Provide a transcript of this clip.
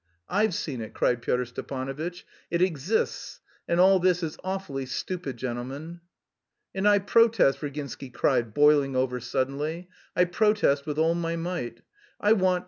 "I've seen it," cried Pyotr Stepanovitch. "It exists, and all this is awfully stupid, gentlemen." "And I protest..." Virginsky cried, boiling over suddenly: "I protest with all my might.... I want...